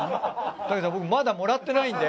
僕まだもらってないんで。